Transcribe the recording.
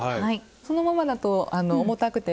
そのままだと重たくて。